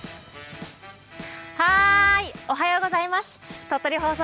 おはようございます。